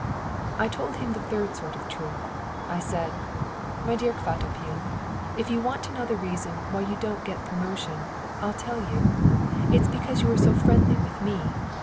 I told him the third sort of truth. I said: "My dear Kvatopil, if you want to know the reason why you don't get promotion, I'll tell you. It is because you are so friendly with me.